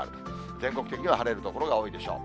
全国的には晴れる所が多いでしょう。